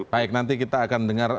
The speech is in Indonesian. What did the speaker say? baik nanti kita akan dengar